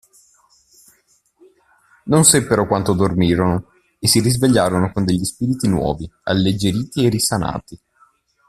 Non seppero quanto dormirono, e si risvegliarono con degli spiriti nuovi, alleggeriti e risanati.